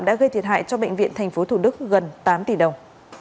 đã gây thiệt hại cho bệnh viện tp thủ đức gần tám tỷ đồng